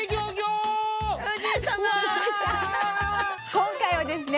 今回はですね